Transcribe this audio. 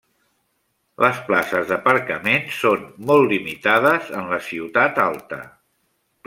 Les places d'aparcament són molt limitades en la ciutat alta.